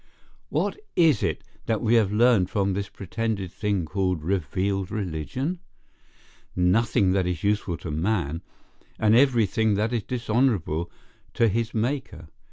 What is it that we have learned from this pretended thing called revealed religion? Nothing that is useful to man, and every thing that is dishonourable to his Maker.